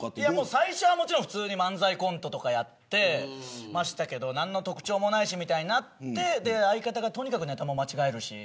最初は普通に漫才コントとかやってましたけど特徴もないし、みたいになって相方がとにかくネタも間違えるし。